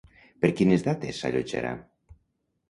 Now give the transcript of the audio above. Per quines dates s'allotjarà?